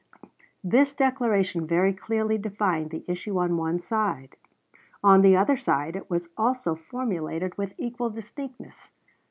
This declaration very clearly defined the issue on one side. On the other side it was also formulated with equal distinctness.